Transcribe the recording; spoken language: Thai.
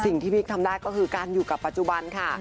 พี่บิ๊กทำได้ก็คือการอยู่กับปัจจุบันค่ะ